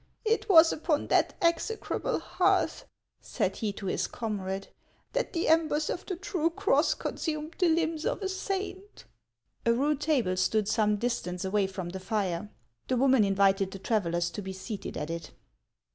" It was upon that execrable hearth," said he to his 1IAXS OF ICELAND. comrade, " that the embers of the true cross consumed the limbs of a saiut." A rude table stood some distance away from the fire. The woman invited the travellers to be seated at it.